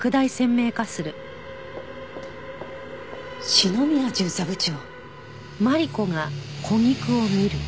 篠宮巡査部長？